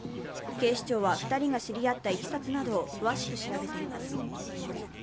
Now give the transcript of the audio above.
警視庁は２人が知り合ったいきさつなどを詳しく調べています。